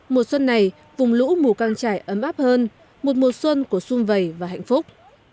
mùa xuân này vùng lũ mùa căng trải ấm áp hơn một mùa xuân của xung vầy và hạnh phúc